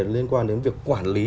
liên quan đến việc quản lý